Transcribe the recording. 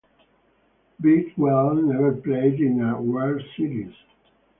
Bridwell never played in a World Series.